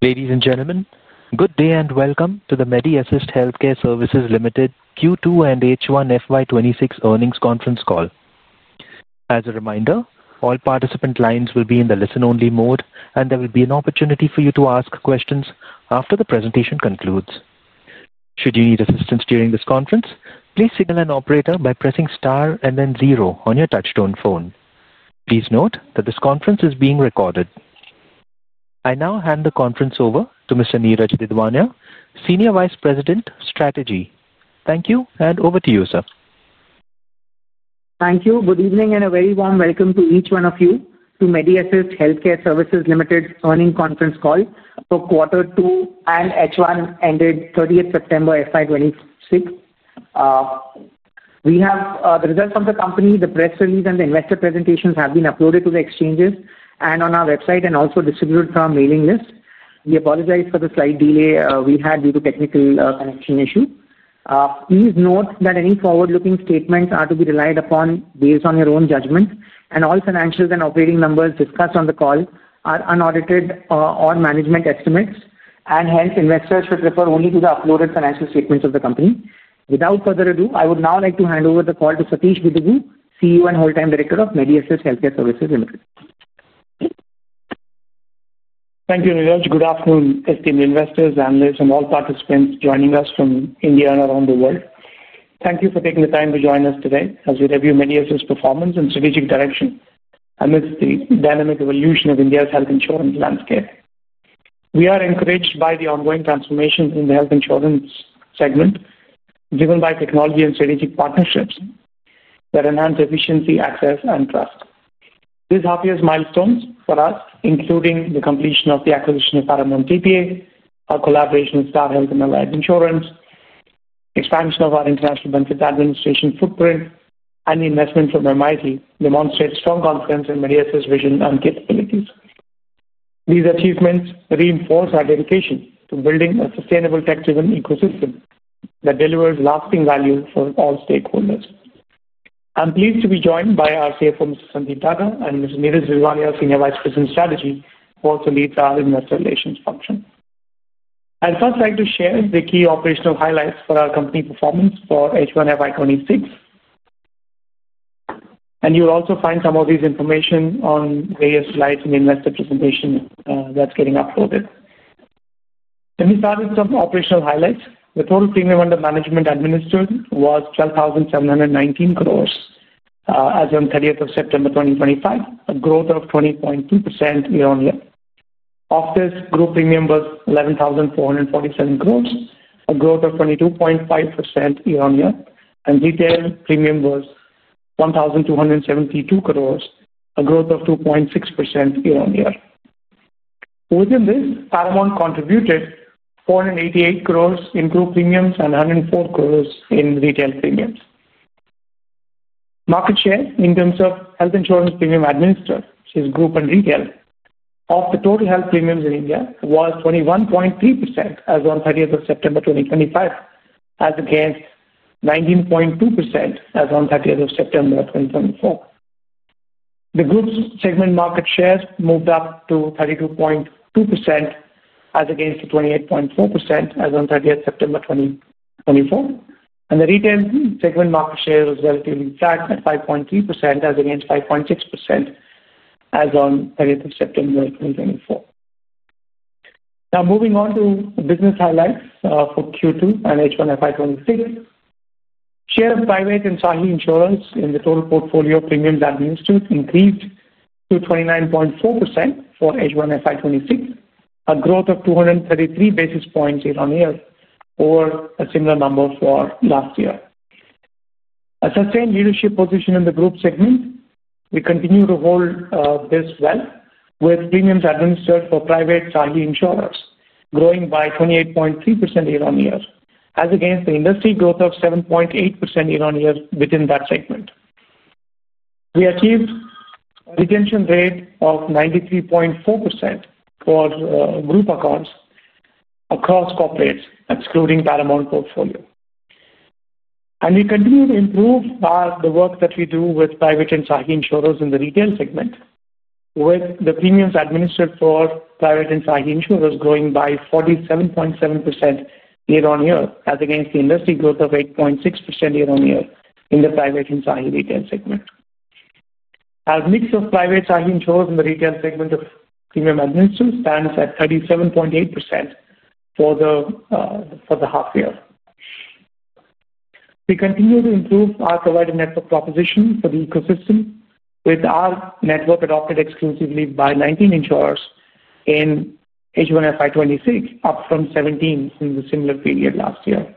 Ladies and gentlemen, good day and welcome to the Medi Assist Healthcare Services Limited Q2 and H1 FY 2026 earnings conference call. As a reminder, all participant lines will be in the listen only mode and there will be an opportunity for you to ask questions after the presentation concludes. Should you need assistance during this conference, please signal an operator by pressing Star and then zero on your touchtone phone. Please note that this conference is being recorded. I now hand the conference over to Mr. Niraj Didwania, Senior Vice President Strategy. Thank you. And over to you sir. Thank you. Good evening and a very warm welcome to each one of you to Medi Assist Healthcare Services Limited earnings conference call for quarter two and H1 ended 30 September 2026. We have the results of the company. The press release and the investor presentations have been uploaded to the exchanges and on our website and also distributed from the mailing list. We apologize for the slight delay we had due to technical connection issue. Please note that any forward-looking statements are to be relied upon based on your own judgment and all financials and operating numbers discussed on the call are unaudited or management estimates and hence investors should refer only to the uploaded financials. Statements of the company. Without further ado, I would now like to hand over the call to Satish Gidugu, CEO and Whole Time Director of Medi Assist Healthcare Services Limited. Thank you, Niraj. Good afternoon. Esteemed investors, analysts and all participants joining us from India and around the world. Thank you for taking the time to join us today as we review Medi Assist's performance and strategic direction amidst the dynamic evolution of India's health insurance landscape. We are encouraged by the ongoing transformation in the health insurance segment driven by technology and strategic partnerships that enhance efficiency, access and trust. These happy milestones for us, including the completion of the acquisition of Paramount TPA, our collaboration with Star Health and Allied Insurance, expansion of our international benefits administration footprint and investment from MIT, demonstrate strong confidence in Medi Assist's vision and capabilities. These achievements reinforce our dedication to building a sustainable tech-driven ecosystem that delivers lasting value for all stakeholders. I'm pleased to be joined by our CFO Mr. Sandeep Daga and Mr. Niraj Didwania, our Senior Vice President Strategy who also leads our Investor Relations function. I'd first like to share the key operational highlights for our company performance for H1 FY 2026 and you'll also find some of this information on various slides in the investor presentation that's getting uploaded. Let me start with some operational highlights. The total premium under management administered was 12,719 crore as on 30th of September 2025, a growth of 20.2% year-on-year. Of this, group premium was 11,447 crore, a growth of 22.5% year-on-year, and retail premium was 1,272 crore, a growth of 2.6% year-on-year. Within this, Paramount contributed 488 crore in group premiums and 104 crore in retail premiums. Market share in terms of health insurance premium administered, which is group and retail, of the total health premiums in India was 21.3% as on 30 September 2025 as against 19.2% as on 30 September 2024. The group segment market share moved up to 32.2% as against 28.4% as on 30 September 2024, and the retail segment market share was relatively flat at 5.3% as against 5.6% as on 30 September 2024. Now moving on to business highlights for Q2 and H1 FY 2026, share of private and SAHI insurance in the total portfolio premiums at the Institute increased to 29.4% for H1 FY 2026, a growth of 233 basis points year-on-year over a similar number for last year. A sustained leadership position in the group segment. We continue to hold this well with premiums administered for private SAHI insurers growing by 28.3% year-on-year as against the industry growth of 7.8% year-on-year. Within that segment we achieved a retention rate of 93.4% for group accounts across corporates excluding Paramount portfolio and we continue. To improve the work that we do. With private and SAHI insurers in the retail segment, with the premiums administered for private and SAHI insurers growing by 47.7% year-on-year as against the industry growth of 8.6% year-on-year in the private and SAHI retail segment. Our mix of private SAHI insurers in the retail segment of premium administered stands at 37.8% for the half year. We continue to improve our provider network. Proposition for the ecosystem with our network adopted exclusively by 19 insurers in H1 FY 2026, up from 17 in the similar period last year,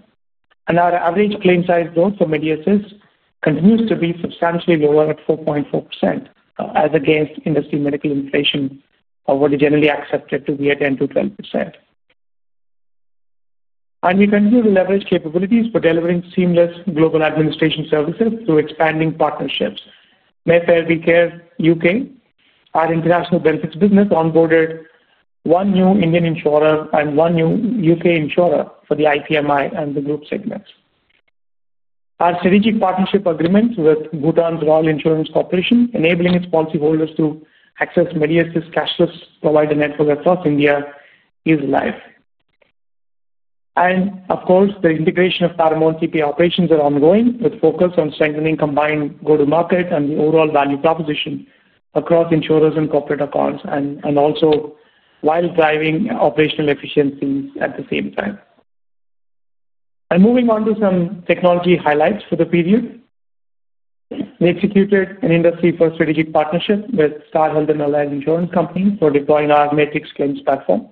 and our average claim size though for Medi Assist continues to be substantially lower at 4.4% as against industry medical inflation, which is generally accepted to be at 10%-12%, and we continue to leverage capabilities for delivering seamless global administration services through expanding partnerships. Mayfair We Care U.K., our international benefits business, onboarded one new Indian insurer and one new U.K. insurer for the IPMI and the Group segments. Our strategic partnership agreement with Bhutan's Royal Insurance Corporation enabling its policyholders to access Medi Assist's cashless provider network across India is live, and of course the integration of Paramount TPA operations is ongoing with focus on strengthening combined go-to-market and the overall value proposition across insurers and corporate accounts, and also while driving operational. Efficiencies at the same time and moving. On to some technology highlights for the period, we executed an industry first strategic partnership with Star Health and Allied Insurance companies for deploying our Matrix claims platform.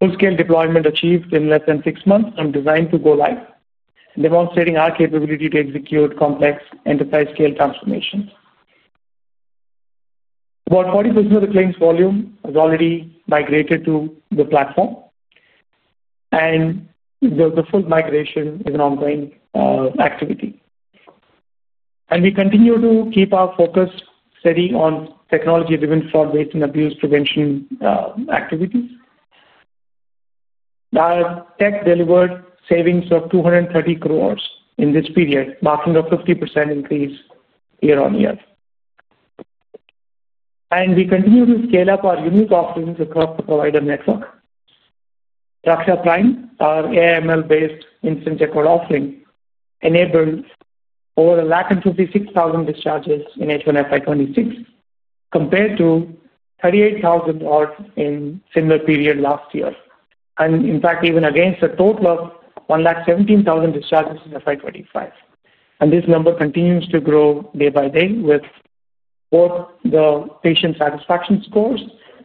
Full scale deployment achieved in less than six months and designed to go live, demonstrating our capability to execute complex enterprise scale transformations. About 40% of the claims volume has already migrated to the platform and the full migration is an ongoing activity. We continue to keep our focus steady on technology driven fraud based and abuse prevention activities. Tech delivered savings of 2.3 crore in this period, marking a 50% increase year-on-year. We continue to scale up. Our unique offerings across the provider network. Raksha Prime, our AIML-based instant record offering, enabled over 156,000 discharges in H1 FY 2026 compared to 38,000 in a similar period last year, and in fact even against a total of 117,000 discharges in FY 2025. This number continues to grow day by day, with both the patient satisfaction scores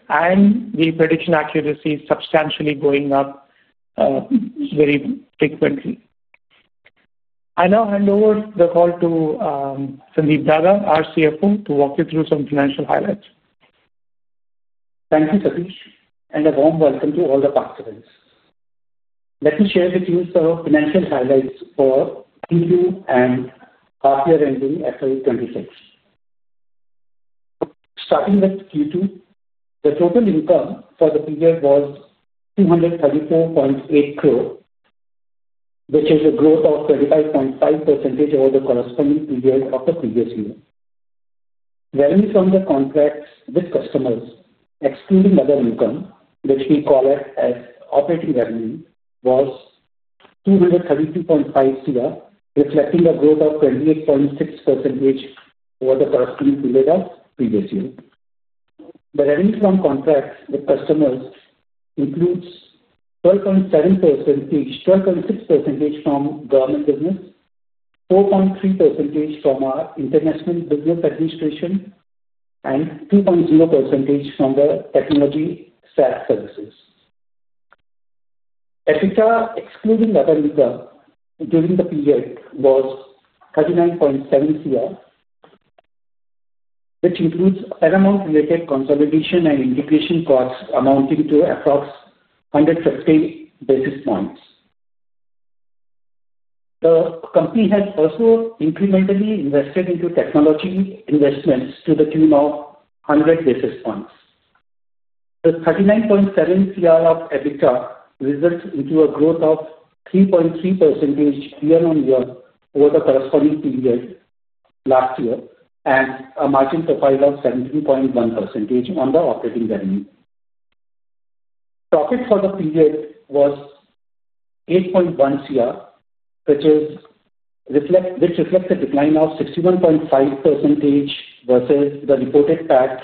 and the prediction accuracy substantially going up very frequently. I now hand over the call to Sandeep Daga, our CFO, to walk you through some financial highlights. Thank you Satish and a warm welcome to all the participants. Let me share with you some of the financial highlights for Q2 and half year ending FY 2026. Starting with Q2, the total income for the period was 234.8 crore, which is a growth of 35.5% over the corresponding period of the previous year. Varying from the contracts with customers, excluding other income, which we call as operating revenue, was 232.5 crore, reflecting a growth of 28.6% over the past few period of previous year. The revenue from contracts with customers includes 12.7% each, 12.6% from government business, 4.3% from our international business administration, and 2.0% from the technology SaaS services. EBITDA excluding other income during the period was 39.7 crore, which includes Paramount related consolidation and integration costs amounting to approximately 150 basis points. The company has also incrementally invested into technology investments to the tumor. The 39.7 crore of EBITDA result into a growth of 3.3% year-on-year over the corresponding period last year and a margin profile of 17.1% on the operating revenue. Profit for the period was 8.1 crore which is reflect which reflects a decline of 61.5% versus the reported PAT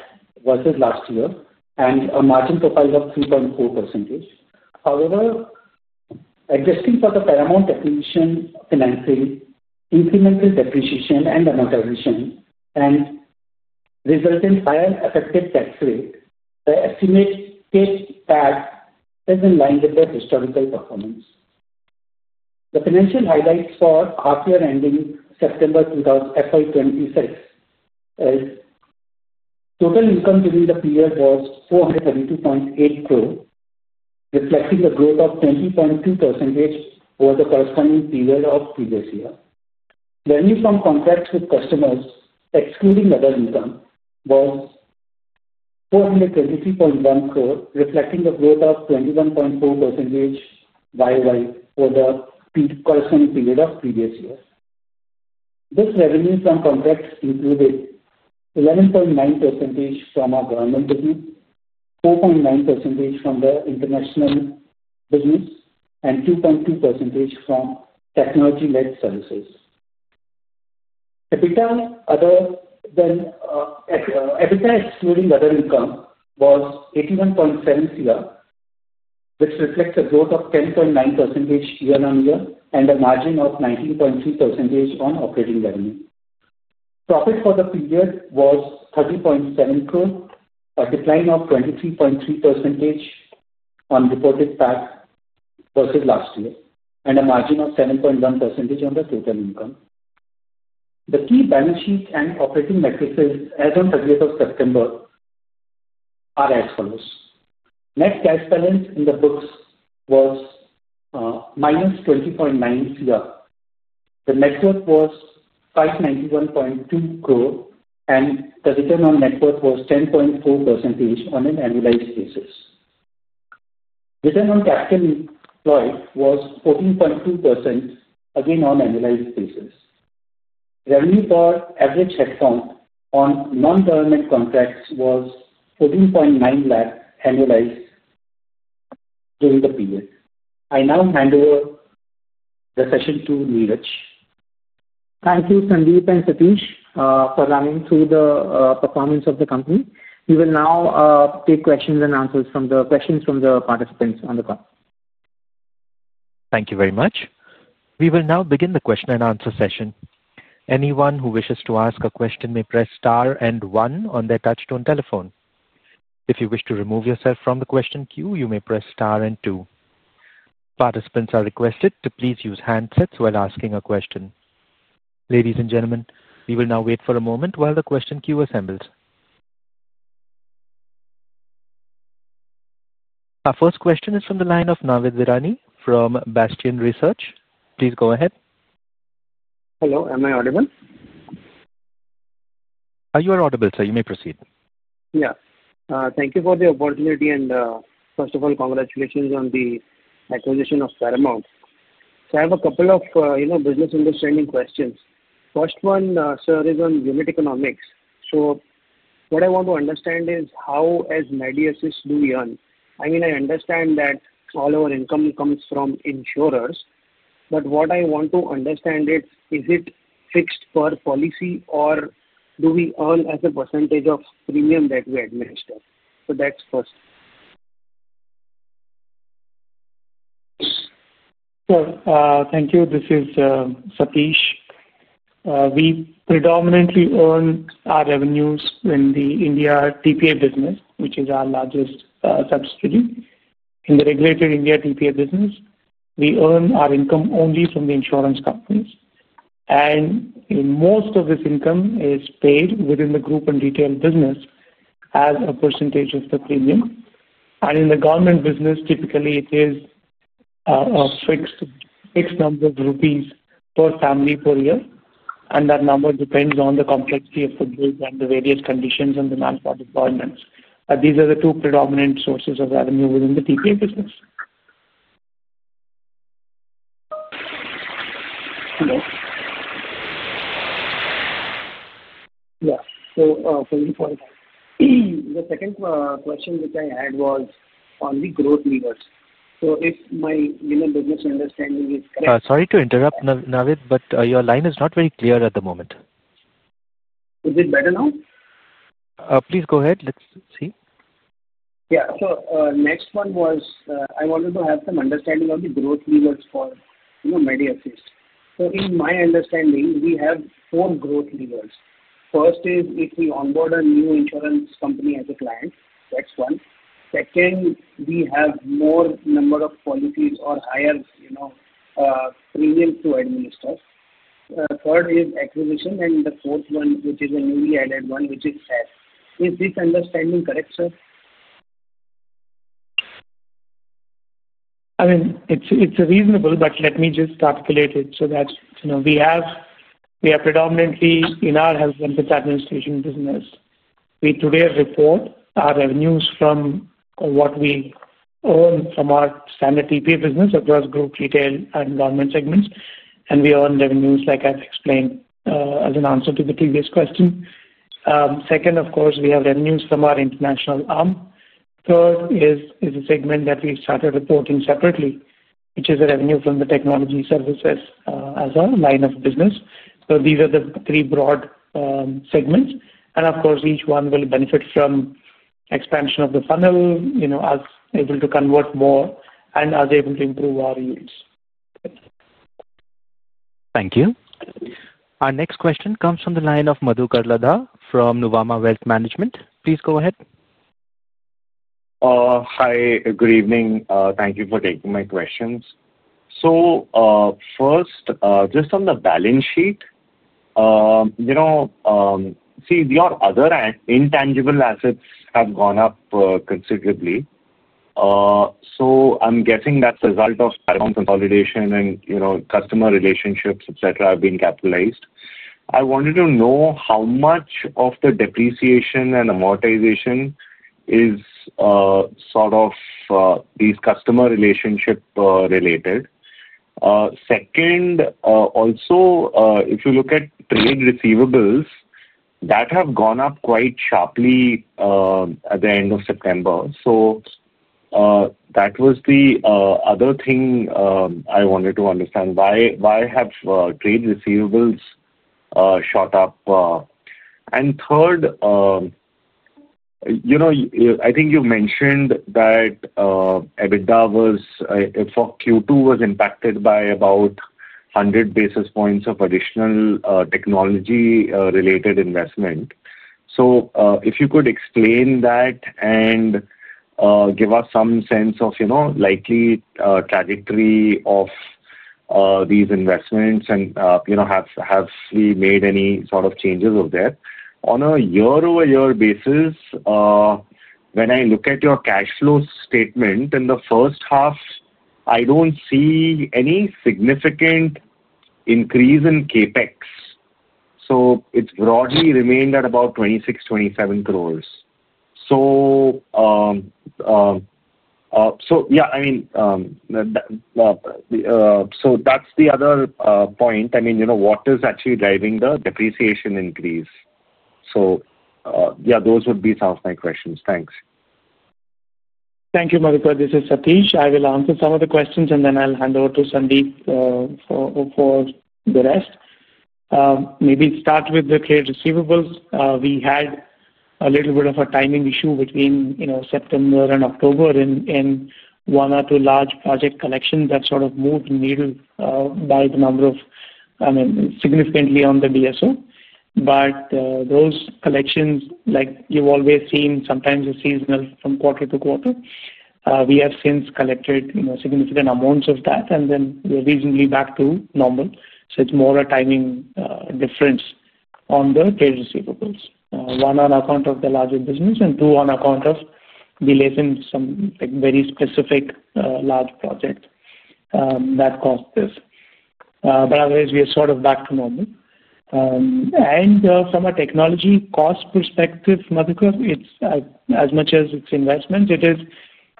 versus last year and a margin profile of 3.4%. However, adjusting for the Paramount definition, financing incremental depreciation and amortization and result in. Higher effective tax rate. The estimate tax is in line with the historical performance. The financial highlights for half year ending September 2026, total income during the period was 432.8 crore rupees, reflecting the growth of 20.2% over the corresponding period of previous year. Revenue from contracts with customers excluding other income was 423.1 crore, reflecting the growth of 21.4% year-on-year over the corresponding period of previous years. This revenue from contracts included 11.9% from our government business, 4.9% from the international business, and 2.2% from technology led services. EBITDA excluding other income was 81.7 crore, which reflects a growth of 10.9% year-on-year and a margin of 19.3% on operating revenue. Profit for the period was 30.7 crore, a decline of 23.3% on reported PAT versus last year and a margin of 7.1% on the total income. The key balance sheet and operating matrices as on 30th of September are as follows. Net cash balance in the books was -20.9 crore, the net worth was 591.2 crore and the return on net worth was 10.4% on an annualized basis. Return on capital employed was 14.2% again on annualized basis. Revenue per average headphones on non government contracts was 14.9 lakh annualized during the period. I now hand over the session to Niraj. Thank you Sandeep and Satish for running through the performance of the company. We will now take questions and answers. From the questions from the participants on the call. Thank you very much. We will now begin the question and answer session. Anyone who wishes to ask a question may press star and one on their touchstone telephone. If you wish to remove yourself from the question queue, you may press star and two. Participants are requested to please use handsets while asking a question. Ladies and gentlemen, we will now wait for a moment while the question queue assembles. Our first question is from the line of Navid Virani from Bastion Research. Please go ahead. Hello. Am I audible? You are audible, sir. You may proceed. Yeah, thank you for the opportunity. First of all, congratulations on the acquisition of Paramount. I have a couple of, you know, business understanding questions. First one, sir, is on unit economics. What I want to understand is how as Medi Assist do you earn. I mean, I understand that all our. Income comes from insurers. What I want to understand is. Is it fixed per policy or do? We earn as a percentage of premium that we administer. That's first. Thank you. This is Satish. We predominantly own our revenues in the India TPA business, which is our largest subsidiary in the regulated India TPA business. We earn our income only from the insurance companies, and most of this income is paid within the group and retail business as a percentage of the premium. In the government business, typically it is a fixed number of rupees per family per year, and that number depends on the complexity of the bills and the various conditions and demand for deployments. These are the two predominant sources of revenue within the TPA business. Yeah, so. The second question which I had was on the growth levers. So if my business understanding is correct. Sorry to interrupt, Navid, but your line is not very clear at the moment. Is it better now? Please go ahead. Let's see. Yeah. Next one was I wanted to have some understanding of the growth levers for Medi Assist. In my understanding we have four growth levers. First is if we onboard a new insurance company as a client, that's one. Second, we have more number of policies or higher premium to administer. Third is acquisition and the fourth one which is a newly added one which is SaaS. Is this understanding correct, sir? I mean it's reasonable. Let me just articulate it so that we have. We are predominantly in our health benefits administration business. We today report our revenues from what we own from our standard TPA business across group, retail and government segments. We earn revenues like I've explained as an answer to the previous question. Second, of course we have revenues from our international arm. Third is a segment that we started reporting separately, which is revenue from the technology services as a line of business. These are the three broad segments and of course each one will benefit from expansion of the funnel. You know, us able to convert more and us able to improve our yields. Thank you. Our next question comes from the line of Madhukar Ladha from Nuvama Wealth Management. Please go ahead. Hi, good evening. Thank you for taking my questions. First, just on the balance sheet, you know, your other intangible assets have gone up considerably. I am guessing that is a result of consolidation and customer relationships, etc., have been capitalized. I wanted to know how much of the depreciation and amortization is sort of these customer relationship related. Also, if you look at trade receivables, they have gone up quite sharply at the end of September. That was the other thing I wanted to understand. Why have trade receivables shot up? Third, I think you mentioned that EBITDA for Q2 was impacted by about 100 basis points of additional technology related investment. If you could explain that and give us some sense of likely trajectory of these investments and have we made any sort of changes over there on a year-over-year basis? When I look at your cash flow statement in the first half, I do not see any significant increase in CapEx. It has broadly remained at about 26-27 crore. So. Yeah, I mean. That's the other point. I mean, you know what is actually. Driving the depreciation increase. Yeah, those would be some of my questions. Thanks. Thank you, Madhukar. This is Satish. I will answer some of the questions and then I'll hand over to Sandeep for the rest. Maybe start with the clear receivables. We had a little bit of a timing issue between, you know, September and October in one or two large project collections that sort of moved the needle by the number of, I mean, significantly on the DSO. But those collections, like you've always seen, sometimes are seasonal from quarter to quarter. We have since collected significant amounts of that and then reasonably back to normal. It is more a timing difference on the trade receivables, one on account of the larger business and two on account of delays in some very specific large project that caused this. Otherwise, we are sort of back to normal. From a technology cost perspective, Madhukar, as much as its investments, it is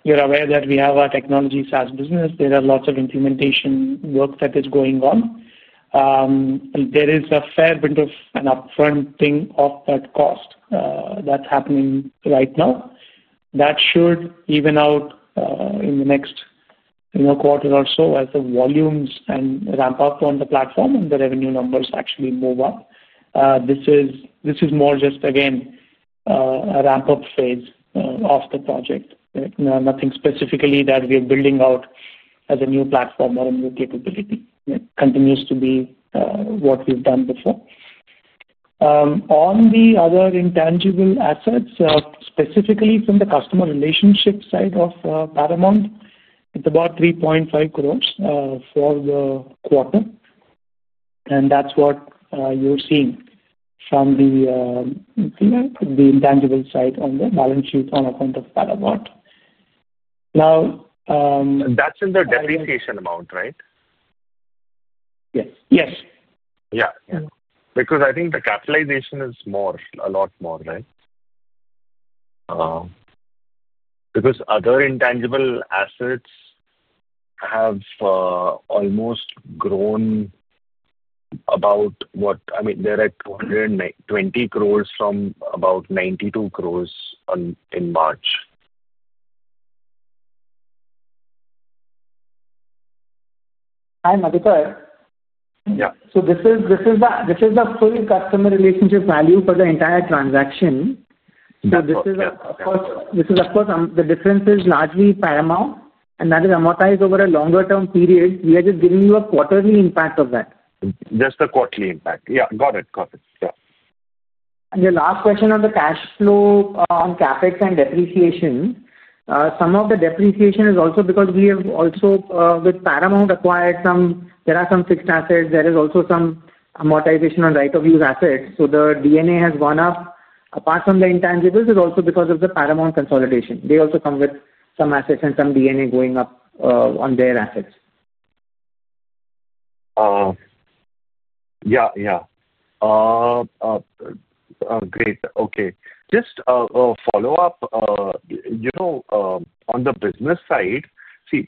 you're aware that we have our technology SaaS business. There are lots of implementation work that is going on. There is a fair bit of an upfront thing of that cost that's happening right now that should even out in the next quarter or so as the volumes ramp up on the platform and the revenue numbers actually move up. This is more just again a ramp up phase of the project, nothing specifically that we are building out as a new platform or a new capability, continues to be what we've done before. On the other intangible assets, specifically from the customer relationship side of Paramount, it's about 3.5 crore for the quarter. And that's what you're seeing from the intangible side on the balance sheet on account of that amount now. In the depreciation amount, right? Yes, yes. Yeah. Because I think the capitalization is more, a lot more. Right. Because other intangible assets have almost grown about, what I mean, there are 220 crore from about 92 crore in March. Hi Madhi. Yeah, so this is the. This is the full customer relationship value for the entire transaction. This is, of course, the difference is not v Panama and that is amortized over a longer term period. We are just giving you a quarterly impact of that. Just the quarterly impact. Yeah, got it, got it. Your last question on the cash flow on capex and depreciation, some of the depreciation is also because we have also with Paramount acquired some, there are some fixed assets. There is also some amortization on right of use assets. So the D&A has gone up apart from the intangibles is also because of the Paramount consumption. They also come with some assets and some D&A going up on their assets. Yeah, yeah, great. Okay. Just a follow up, you know on the business side. See,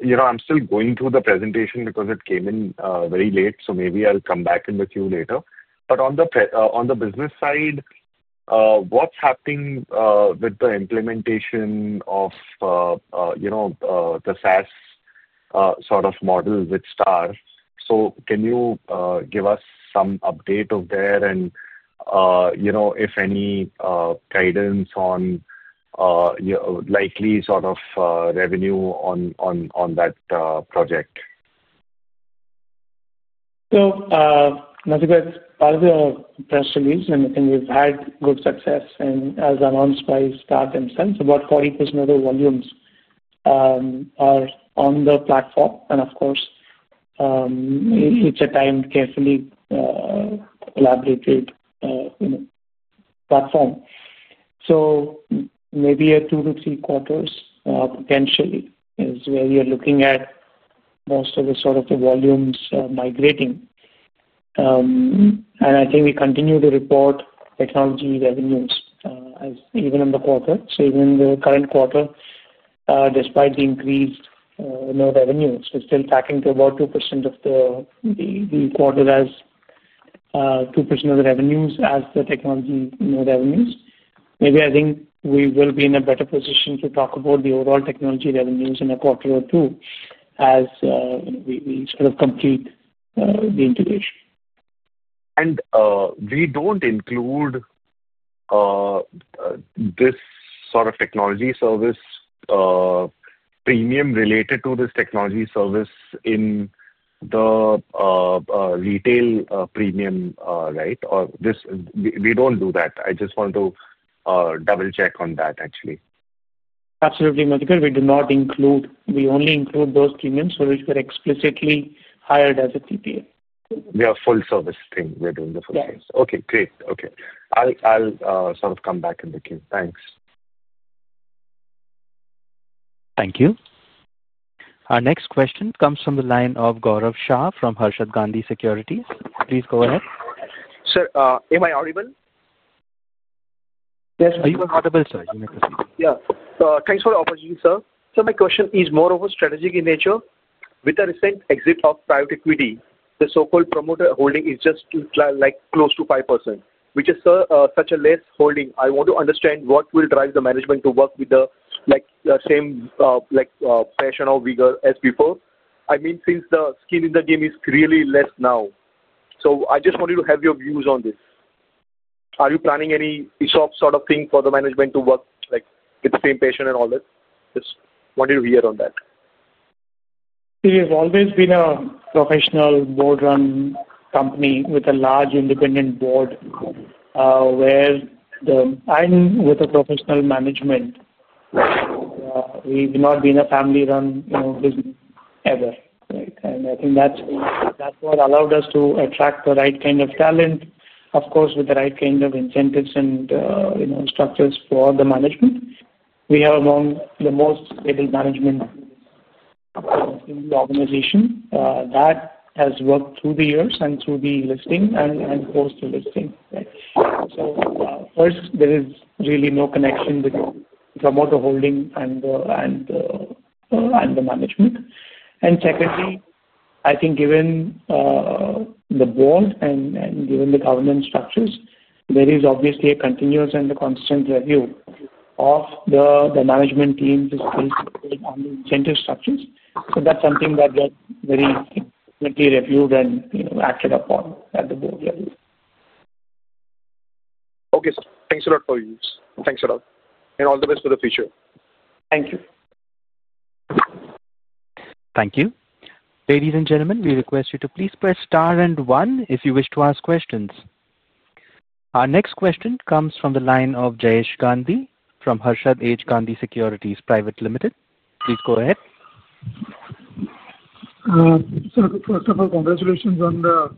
you know, I'm still going through the presentation because it came in very late, so maybe I'll come back in with you later. On the business side, what's happening with the implementation of, you know, the SaaS sort of model with Star? Can you give us some update there and, you know, if any guidance on likely sort of revenue on that project? Madhukar, it's part of the press release and I think we've had good success and as announced by Star themselves, about 40% of the volumes are on the platform and of course it's a timed, carefully collaborated platform. Maybe a two to three quarters potentially is where you're looking at most of the sort of the volumes migrating. I think we continue to report technology revenues even in the quarter. Even in the current quarter despite the increased revenues, we're still tacking to about 2% of the quarter as 2% of the revenues as the technology revenues. Maybe I think we will be in a better position to talk about the overall technology revenues in a quarter or two as we sort of complete the integration. We do not include this sort of technology service premium related to this technology service in the retail premium. Right? Or this. We do not do that. I just want to double check on that actually. Absolutely. Madhukar. We do not include, we only include those premiums for which we were explicitly hired as a TPA. We are full service. We're doing the full service. Okay, great. Okay.I'll sort of come back in the queue. Thanks. Thank you. Our next question comes from the line of Gaurav Shah from Harshad H Gandhi Sec Pvt Ltd. Please go ahead. Sir. Am I audible? Yeah. Thanks for the opportunity, sir. My question is more of a strategic in nature. With the recent exit of private equity, the so-called promoter holding is just like close to 5%, which is such a less holding. I want to understand what will drive the management to work with the like. Same like passion or vigor as before. I mean since the skin in the game is really less now. I just wanted to have your views on this. Are you planning any ESOP sort of thing for the management to work like get the same patient and all that? Just wanted to hear on that. We've always been a professional board run company with a large independent board where I'm with a professional management. We've not been a family run business ever. I think that's what allowed us to attract the right kind of talent. Of course with the right kind of incentives and structures for the management. We have among the most able management in the organization that has worked through the years and through the listing and post listing. First there is really no connection between promoter holding and the management. Secondly, I think given the board and given the governance structures, there is obviously a continuous and constant review of the management teams on the incentive structures. That is something that gets very reviewed and acted upon at the board level. Okay, thanks a lot for use. Thanks a lot and all the best for the future. Thank you. Thank you. Ladies and gentlemen, we request you to please press star and one if you wish to ask questions. Our next question comes from the line of Jayesh Gandhi from Harshad H Gandhi Sec Pvt Ltd. Please go ahead. First of all, congratulations on the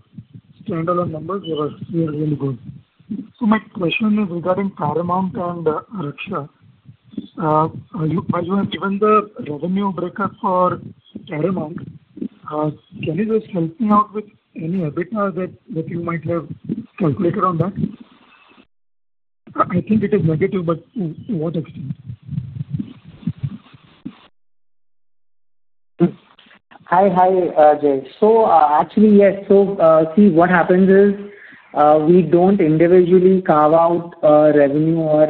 standalone numbers. My question is regarding Paramount and Raksha. You have given the revenue breakup for Paramount. Can you just help me out with any EBITDA that you might have calculated on that? I think it is negative, but to what extent? Hi. Hi Jay. Actually yes. See what happens is we do not individually carve out revenue or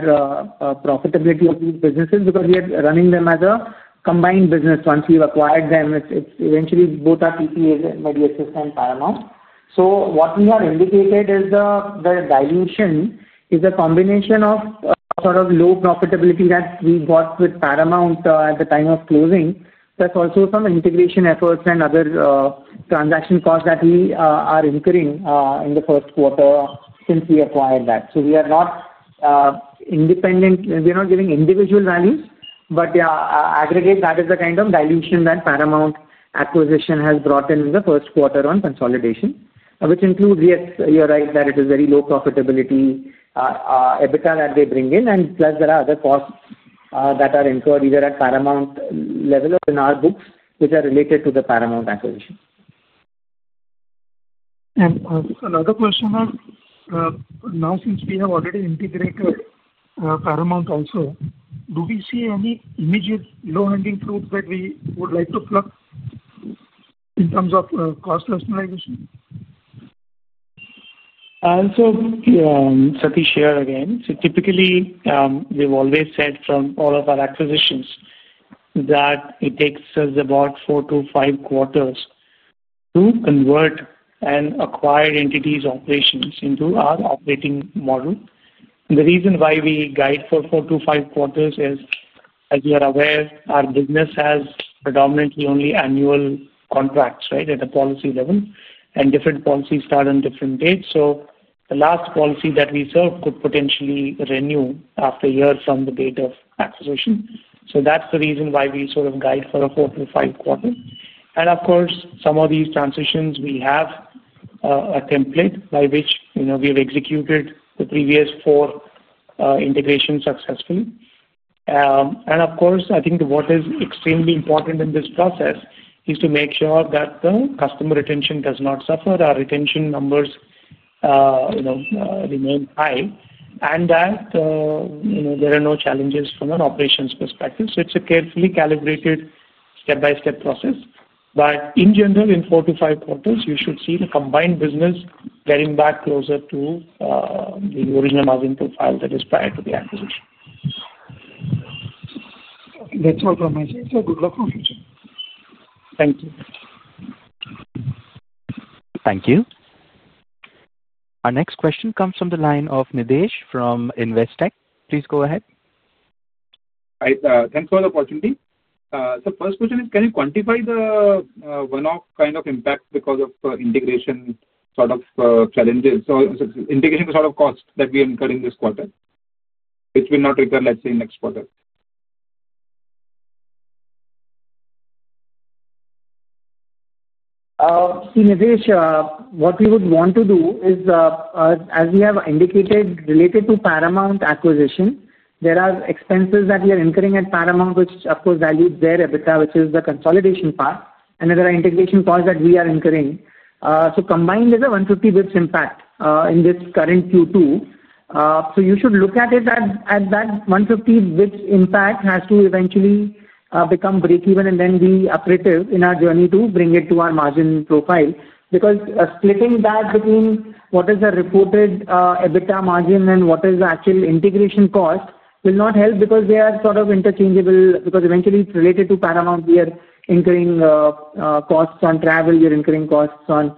profitability of these businesses because we are running them as a combined business once we have acquired them. Eventually both are TPA system Paramount. What we have indicated is the dilution is a combination of sort of low profitability that we bought with Paramount at the time of closing. That is also some integration efforts and other transaction costs that we are incurring in the first quarter since we acquired that. We are not independent, we are. Not giving individual values, but aggregate. That is the kind of dilution that Paramount Acquisition has brought in the first. Quarter on consolidation, which includes, yes, you. Are right that it is very low for profitability, EBITDA that they bring in. Plus there are other costs that. Are incurred either at Paramount level or. In our books which are related to the Paramount acquisition. Another question now, since we have already integrated Paramount also, do we see any immediate low hanging fruits that we would like to pluck in terms of cost rationalization? Satish here again. Typically we've always said from all of our acquisitions that it takes us about four to five quarters to convert an acquired entity's operations into our operating model. The reason why we guide for four to five quarters is, as you are aware, our business has predominantly only annual contracts right at the policy level and different policies start on different dates. The last policy that we serve could potentially renew after a year from the date of acquisition. That's the reason why we sort of guide for a four to five quarter. Of course some of these transitions we have a template by which, you know, we have executed the previous four integrations successfully. Of course, I think what is extremely important in this process is to make sure that the customer retention does not suffer, our retention numbers remain high, and that there are no challenges from an operations perspective. It is a carefully calibrated, step by step process. In general, in four to five quarters you should see the combined business getting back closer to the original margin profile, i.e. Prior to the acquisition. That's all from my session. Thank you. Thank you. Our next question comes from the line of Nidhesh from Investec. Please go ahead. Thanks for the opportunity. First question is, can you quantify the one-off kind of impact because of integration sort of challenges, integration sort of cost that we are incurring this quarter, which will not recur, let's say next quarter? What we would want to do is, as we have indicated, related to Paramount acquisition. There are expenses that we are incurring at Paramount, which of course value there. EBITDA, which is the consolidation part and. Other integration costs that we are incurring. Combined with a 150 basis points impact in this current Q2. You should look at it at that 150, which impact has to eventually become breakeven and then be operative in our journey to bring it to our margin profile. Splitting that between what is a reported EBITDA margin and what is the actual integration cost will not help because they are sort of interchangeable because eventually related to Paramount, we are incurring costs on travel, you are incurring costs on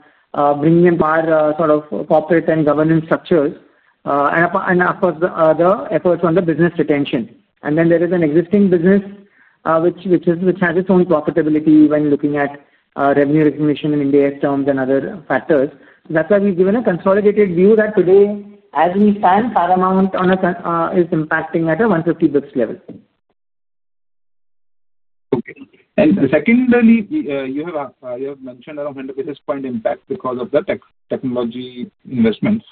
bringing in corporate and governance structures and of course the efforts on the business retention. There is an existing business which has its own profitability. When looking at revenue recognition in India's terms and other factors. That is why we have given a consolidated view that today as we stand Paramount is impacting at a 150 basis points level. Okay. You have mentioned around 100 basis point impact because of the technology investments.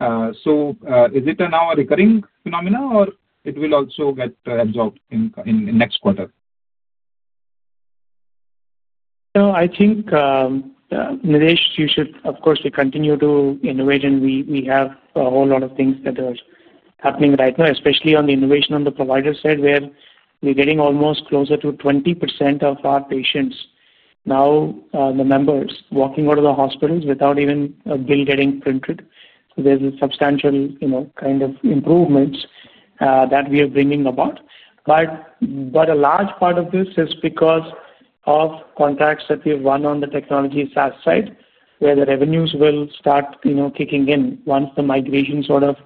Is it now a recurring phenomenon or will it also get absorbed in next quarter? I think, Nidhesh, you should of course continue to innovation. We have a whole lot of things that are happening right now, especially on the innovation on the provider side where we're getting almost closer to 20% of our patients now, the members walking out of the hospitals without even a bill getting printed. There's a substantial kind of improvements that we are bringing about. A large part of this is because of contracts that we've won on the technology SaaS side where the revenues will start kicking in once the migration sort of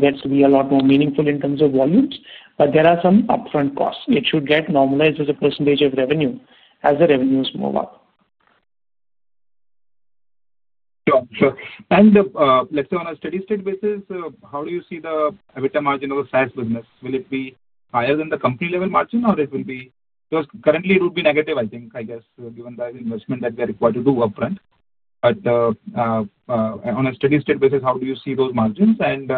gets to be a lot more meaningful in terms of volumes. There are some upfront costs. It should get normalized as a percentage of revenue as the revenues move up. Let's say on a steady state basis, how do you see the EBITDA margin of the SaaS business? Will it be higher than the company level margin, or will it be, because currently it would be negative I think, I guess, given the investment that we are required to do up front? On a steady state basis, how do you see those margins, and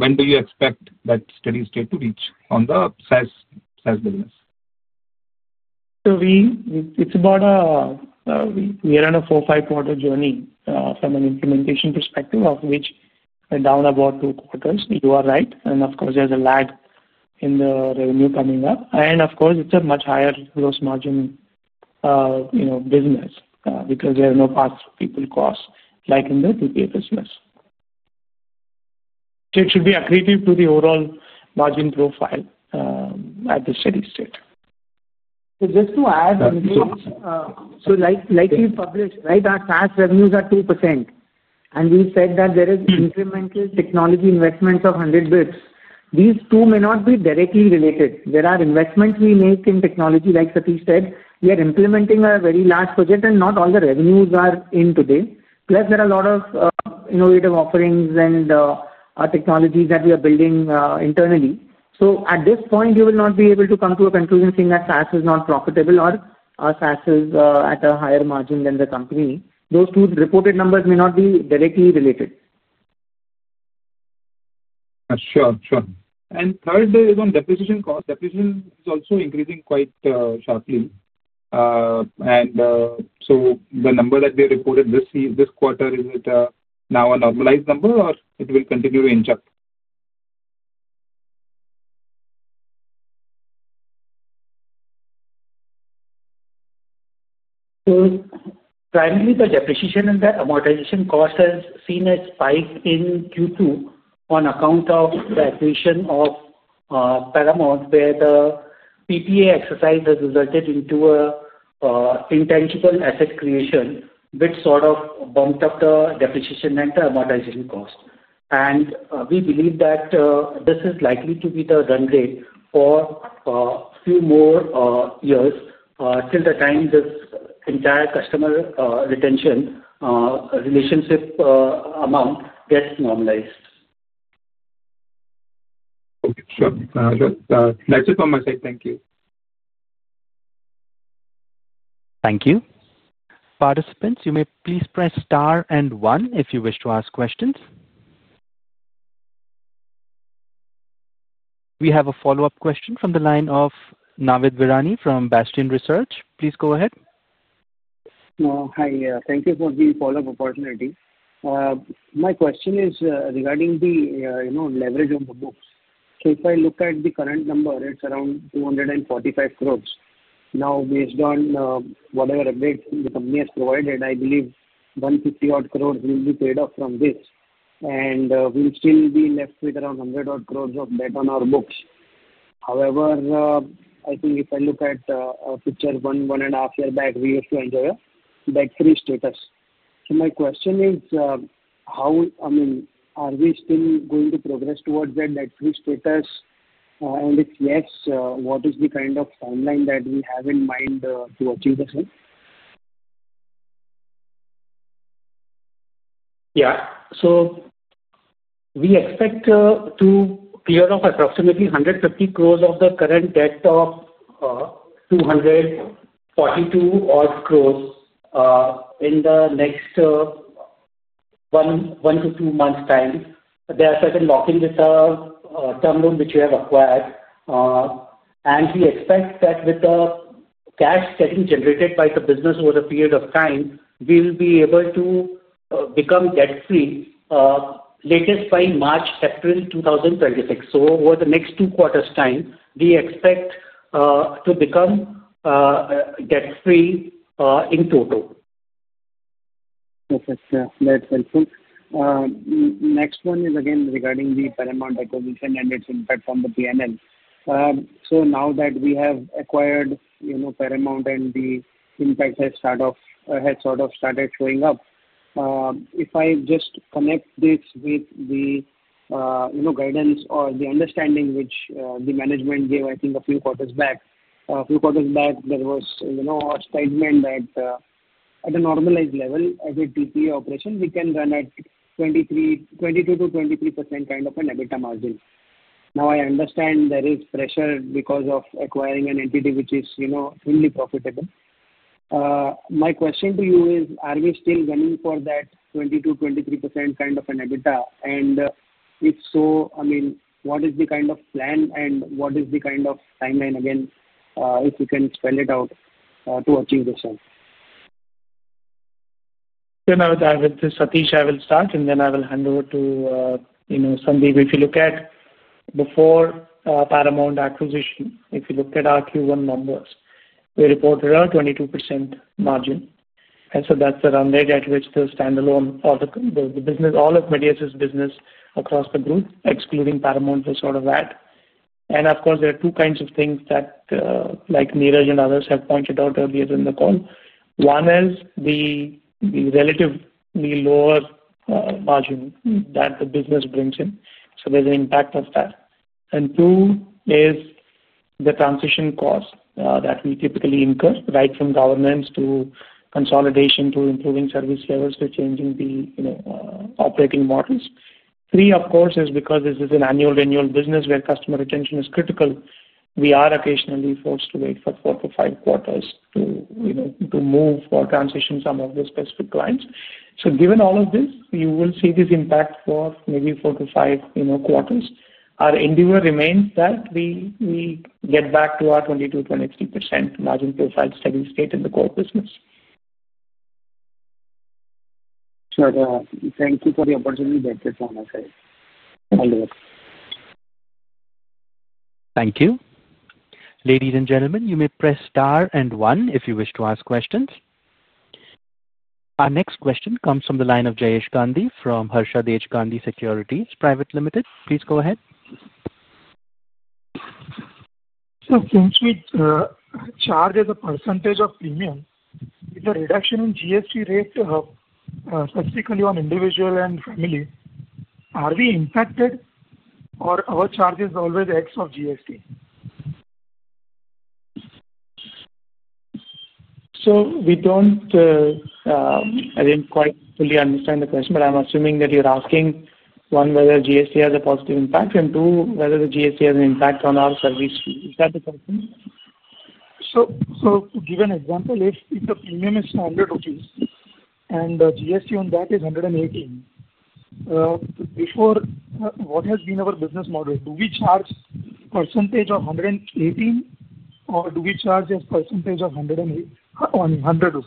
when do you expect that steady state to reach on the SaaS business? We, it's about, we are on a four, five quarter journey from an implementation perspective of which down about two quarters. You are right. Of course, there's a lag in the revenue coming up, and of course, it's a much higher gross margin business because there are no past people cost like in the TPA business. It should be accretive to the overall margin profile at the steady state. Just to add. Like you published, right, our cash revenues are 2% and we said that there is incremental technology investments of 100 basis points. These two may not be directly related. There are investments we make in technology. Like Satish said, we are implementing a very large project and not all the. Revenues are in today. Plus there are a lot of innovative. Offerings and technologies that we are building internally. At this point you will not be able to come to a conclusion saying that SaaS is not profitable or SaaS is at a higher margin than the company. Those two reported numbers may not be directly related. Sure, sure. Third is on depreciation cost. Depreciation is also increasing quite sharply. The number that we reported this quarter, is it now a normalized number or will it continue to inject? Primarily the depreciation and amortization cost has seen a spike in Q2 on account of the acquisition of Paramount. Where the TPA exercise has resulted into intangible asset creation, which sort of bumped. Up the depreciation and amortization cost. We believe that this is likely to be the run rate for a few more years till the time this entire customer retention relationship amount gets normalized. That's it from my side. Thank you. Thank you, participants. You may please press star and one if you wish to ask questions. We have a follow up question from. The line of Navid Virani from Bastion Research. Please go ahead. Hi, thank you for the follow up opportunity. My question is regarding the leverage of books. If I look at the current number, it's around 245 crore. Now, based on whatever update the company has provided, I believe 150-odd crore will be paid off from this, and we'll still be left with around 100-odd crore of debt on our books. However, I think if I look at the picture one and a half years back, we used to enjoy a debt-free status. My question is how, I mean, are we still going to progress towards that debt-free status, and if yes, what is the kind of timeline that we have in mind to achieve the same? Yeah, so we expect to clear off approximately 150 crore of the current debt of 242-odd crore in the next one to two months' time there are. Certain lock-in term load which you. Have acquired and we expect that with. The cash getting generated by the business. Over a period of time we will be able to become debt free latest. By March April 2026. the next two to four time, we expect to become debt free in total. Next one is again regarding the Paramount acquisition and its impact, platform, the P&L. Now that we have acquired you. know, Paramount and the impact has started off, has sort of started showing up. If I just connect this with the, you know, guidance or the understanding which the management gave, I think a few. Quarters back, a few quarters back there. Was, you know, a statement that at a normalized level, as a TPA operation, we can run it 22%-23% kind of an EBITDA margin. Now I understand there is pressure because of acquiring an entity which is, you know, really profitable. My question to you is, are we still running for that 20%-23% kind of an EBITDA? If so, I mean, what is the kind of plan and what is the kind of timeline again, if you can spell it out to achieve this. One. Satish, I will start and then I will hand over to, you know, Sandeep. If you look at before Paramount acquisition, if you look at our Q1 numbers, we reported a 22% margin. That is the run rate at which the standalone or the business, all of Medi Assist's business across the group, excluding Paramount, was sort of at. Of course, there are two kinds of things that, like Niraj and others have pointed out earlier in the call. One is the relatively lower margin that the business brings in, so there is an impact of that. Two is the transition cost that we typically incur, right from governance to consolidation to improving service levels to changing the operating models. Three, of course, is because this is an annual renewal business where customer retention is critical, we are occasionally forced to wait for four to five quarters to move or transition some of the specific clients. Given all of this, you will see this impact for maybe four to five quarters. Our endeavor remains that we get back to our 20%-23% margin profile. Steady state in the core business. Thank you for the opportunity. Thank you, ladies and gentlemen. You may press star and 1 if you wish to ask questions. Our. Next question comes from the line of Jayesh Gandhi from Harshadesh H Gandhi Securities Pvt Ltd. Please go ahead. Since we charge as a percentage of premium, the reduction in GST rate specifically on individual and family, are we impacted or are our charges always X or GST? We don't. I didn't quite fully understand the question, but I'm assuming that you're asking, one, whether GST has a positive impact, and two, whether the GST has an impact on our service fee. Is that the question? To give an example, if the premium is standard rupees and GST on that is 180. Before, what has been our business model, do we charge percentage of 118 or do we charge as percentage of 108 on 100?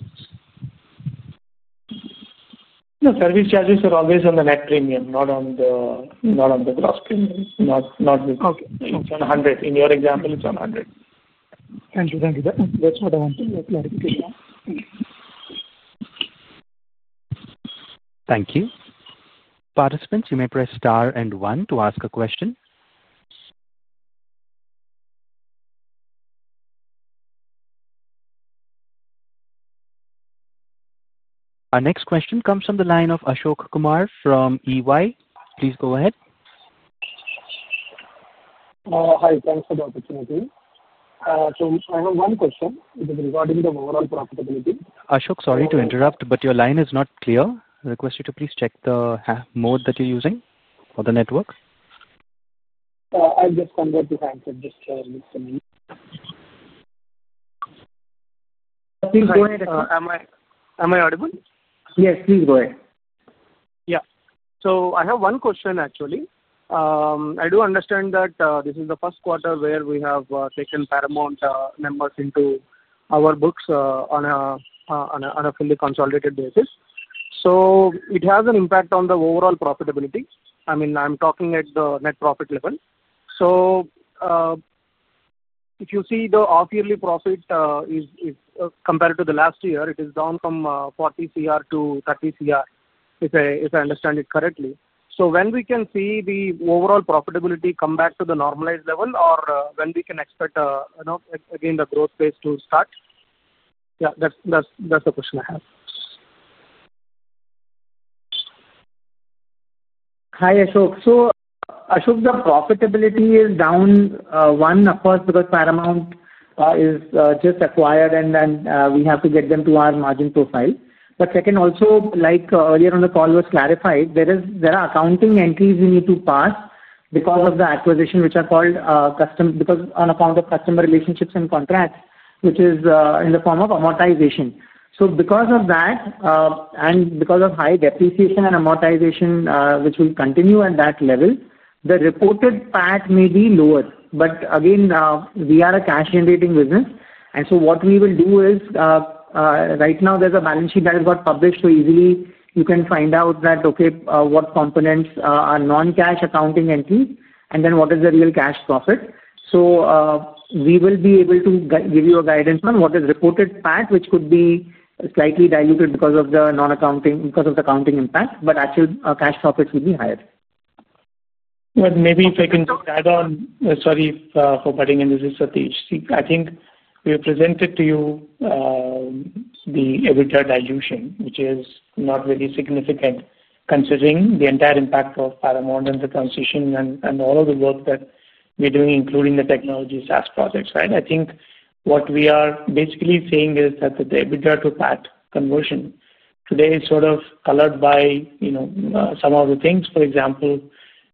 The service charges are always on the net premium, not on the gross premium, not 100. In your example it's 100. Thank you. Thank you. That's what I want to clarify. Thank you. Participants, you may press star and one to ask a question. Our next question comes from the line of Ashok Kumar from EY. Please go ahead. Hi, thanks for the opportunity. I have one question regarding the overall profitability. Ashok, sorry to interrupt but your line is not clear. Request you to please check the mode that you're using for the network. Am I audible? Yes, please go ahead. Yeah, I have one question actually. I do understand that this is the first quarter where we have taken Paramount. Members into our books on a fully consolidated basis. It has an impact on the overall profitability. I mean I'm talking at the net profit level. If you see the off yearly profit is compared to the last year. It is down from 40 crore to 30 crore. If I understand it correctly, when we can see the overall. Profitability come back to the normalized level. Or when we can expect again the growth phase to start. Yeah, that's the question I have. Hi Ashok. Ashok, the profitability is down, one of course because Paramount is just acquired and then we have to get them to our margin profile. Second, also like earlier on the call was clarified, there are accounting entries we need to pass because of the acquisition which are on account of customer relationships and contracts, which is in the form of amortization. Because of that and because of high depreciation and amortization which will continue at that level, the reported PAT may be lower. Again, we are a cash generating. Business and so what we will do. Is right now there's a balance sheet that is going to be published, so easily you can find out that, okay, what components are non-cash accounting entries and then what is the real cash profit? We will be able to give you a guidance on what is reported PAT, which could be slightly diluted because of the accounting impact. Actually, cash profits will be higher. Maybe if I can add on. Sorry for putting in. This is Satish. I think we have presented to you the EBITDA dilution which is not really significant considering the entire impact of Paramount and the transition and all of the work that we're doing, including the technology SaaS projects. Right. I think what we are basically saying is that the EBITDA to PAT conversion today is sort of colored by some of the things. For example,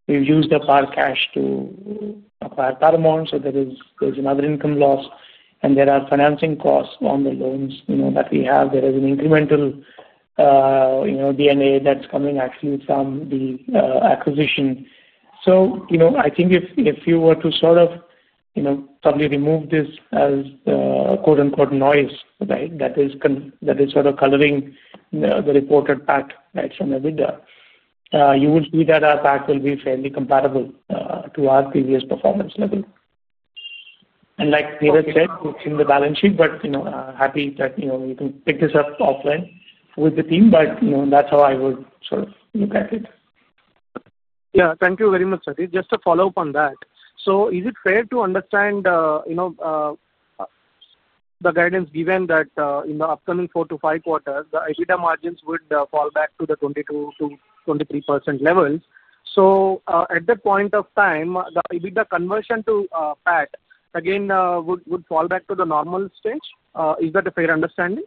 we've used the power cash to acquire Paramount. So there is another income loss and there are financing costs on the loans that we have. There is an incremental D&A that's coming actually from the acquisition. I think if you were to sort of probably remove this as quote unquote noise that is sort of coloring the reported PAT from EBITDA, you will see that our PAT will be fairly compatible to our previous performance level. Like Niraj said, it's in the balance sheet. You know, happy that, you know, you can pick this up offline with the team. You know, that's how I would. Sort of look at it. Yeah, thank you very much, Satish. Just to follow up on that. Is it fair to understand, you? Know, the guidance given that in the. Upcoming four to five quarters the EBITDA. Margins would fall back to the 22%-23% level. At that point of time the EBITDA conversion to PAT again would fall. Back to the normal stage. Is that a fair understanding?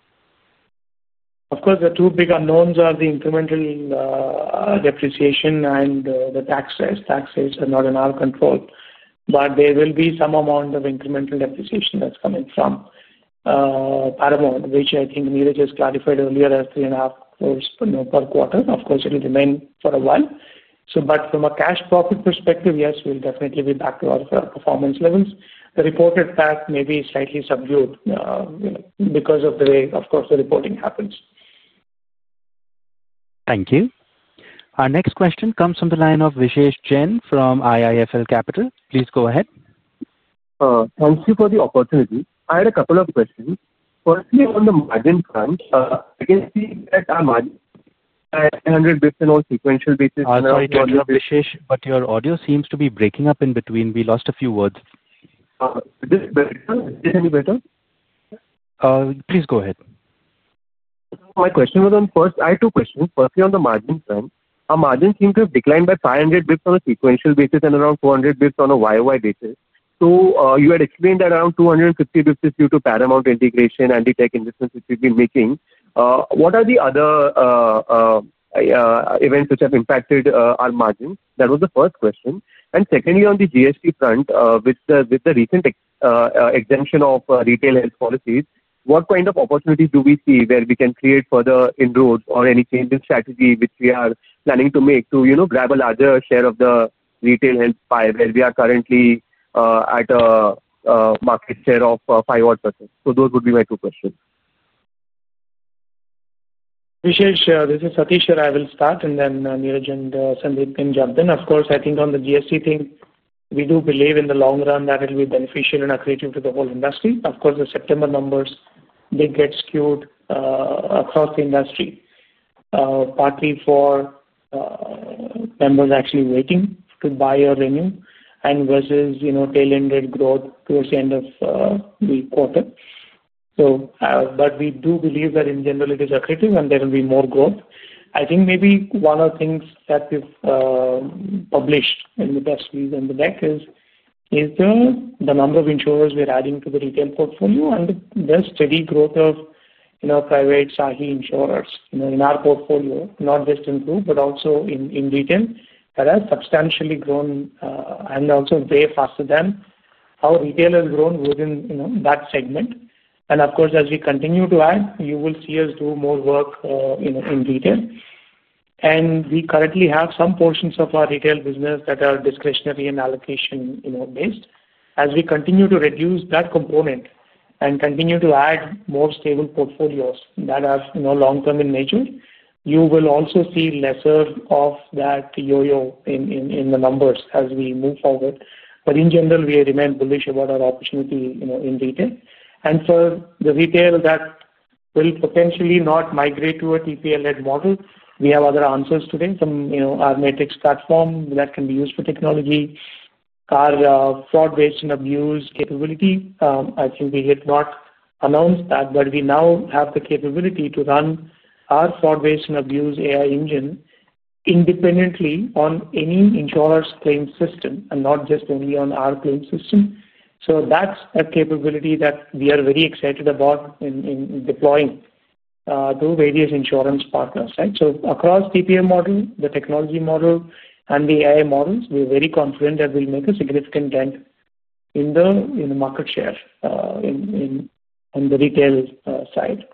Of course the two big unknowns are the incremental depreciation and the taxes. Taxes are not in our control but there will be some amount of incremental depreciation that's coming from Paramount which I think Niraj has clarified earlier as three and a half. Of course it will remain for a while, but from a cash profit perspective, yes, we'll definitely be back to our performance levels. The reported PAT may be slightly subdued because of the way of course the reporting happens. Thank you. Our next question comes from the line of Vishesh Jain from IIFL Capital. Please go ahead. Thank you for the opportunity. I had a couple of questions. Firstly, on the margin front. Sequential basis. Your audio seems to be breaking up in between. We lost a few words. Please go ahead. My question was on. First, I had two questions. Firstly, on the margin front, our margin seem to have declined by 500 basis points on a sequential basis and around 400 basis points on a year-on-year basis. You had explained around 250 million due to Paramount integration and the tech investments which we've been making. What are the other events which have impacted our margins? That was the first question. Secondly, on the GST front with the recent exemption of retail health policies, what kind of opportunities do we see where we can create further inroads or any change in strategy which we are planning to make to, you know, grab a larger share of the retail health pie where we are currently at a market share of 5% odd. Those would be my two questions. Vishesh, this is Satish Sir, I will start and then Niraj and Sandeep can jump. Of course, I think on the GST thing we do believe in the long run that it will be beneficial and accretive to the whole industry. Of course, the September numbers, they get skewed across the industry partly for members actually waiting to buy or renew and versus tail-ended growth towards the end of the quarter. We do believe that in general. It is accretive and there will be more growth. I think maybe one of the things that we have published in the Best and the Deck is the number of insurers we are adding to the retail portfolio and the steady growth of private SAHI insurers in our portfolio not just in group but also in retail that has substantially grown and also way faster than how retail has grown within that segment. Of course as we continue to add you will see us do more work in detail and we currently have some portions of our retail business that are discretionary and allocation based. As we continue to reduce that component and continue to add more stable portfolios that are long term in nature. You will also see lesser of that yo yo in the numbers as we move forward. In general we remain bullish about our opportunity in retail and for the retail that will potentially not migrate to a TPA-led model. We have other answers today. Some Matrix platform that can be useful technology, our fraud-based and abuse capability, I think we have not announced that but we now have the capability to run our fraud-based and abuse AI engine independently on any insurer's claim system and not just only on our claim system. That is a capability that we are very excited about in deploying to various insurance partners. Across TPA model, the technology model and the AI models, we are very confident that we will make a significant discontent in the market share on the retail side.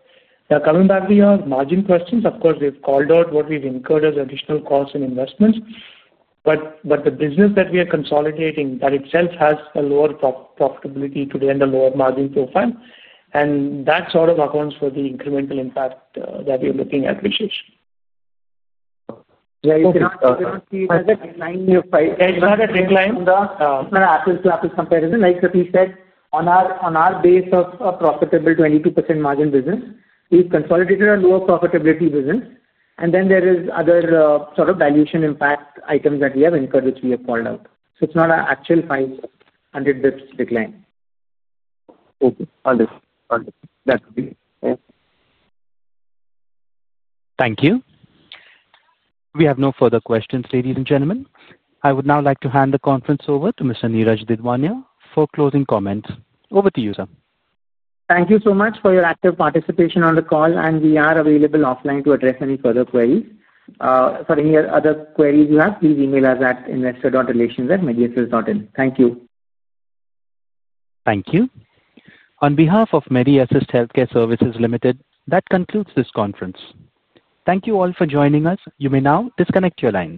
Now coming back to your margin questions, of course we have called out what we have incurred as additional costs and investments. The business that we are consolidating, that itself has a lower profitability today and a lower margin profile and that sort of accounts for the incremental impact. That we're looking at. Vishesh. Comparison, like Satish said, on our base of a profitable 22% margin business. We've consolidated a lower profitability business. Then there is other sort of valuation impact items that we have incurred. Which we have called out. It is not an actual 500 basis points decline. Thank you. We have no further questions. Ladies and gentlemen, I would now like to hand the conference over to Mr. Niraj Didwania for closing comments. Over to you, sir. Thank you so much for your active participation on the call and we are available offline to address any further queries. For any other queries you have, please email us at investor.relations@mediassist.in. Thank you. Thank you. On behalf of Medi Assist Healthcare Services Limited, that concludes this conference. Thank you all for joining us. You may now disconnect your lines.